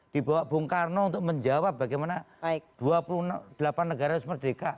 dibawa bung karno untuk menjawab bagaimana dua puluh delapan negara harus merdeka